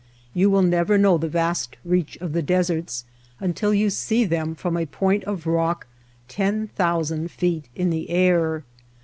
Yon will never know the vast reach of the deserts until you see them from a point of rock ten thousand feet in air.